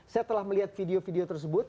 saya telah melihat video video tersebut